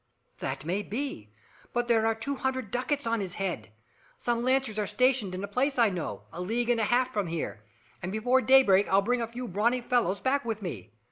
"That may be. But there are two hundred ducats on his head. Some lancers are stationed in a place I know, a league and a half from here, and before daybreak I'll bring a few brawny fellows back with me.